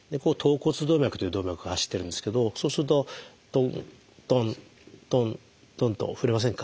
「橈骨動脈」という動脈が走ってるんですけどそうするとトントントントンと触れませんか？